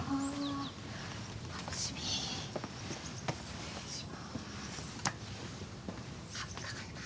失礼します。